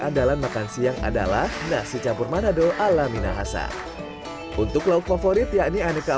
andalan makan siang adalah nasi campur manado ala minahasa untuk lauk favorit yakni aneka